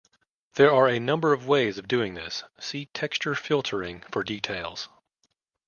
There are a number of ways of doing this; see "texture filtering" for details.